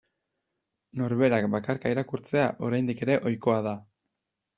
Norberak bakarka irakurtzea oraindik ere ohikoa da.